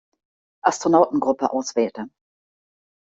Astronautengruppe auswählte.